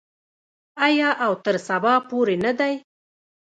آیا او تر سبا پورې نه دی؟